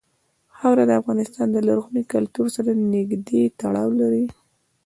خاوره د افغانستان له لرغوني کلتور سره نږدې تړاو لري.